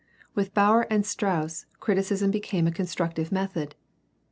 With Baur and Strauss criticism became a constructive method.